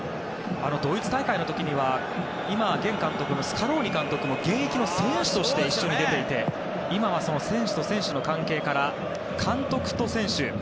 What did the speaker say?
ドイツ大会の時には、現監督のスカローニ監督も現役の選手として一緒に出ていて今はその選手と選手の関係から監督と選手。